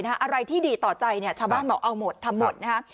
อะไรที่ดีต่อใจเนี่ยชาวบ้านบอกเอาหมดทำหมดนะฮะ